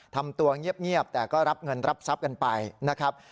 ทำตัวเงียบแต่ก็รับเงินรับทรัพย์กันไปนะครับ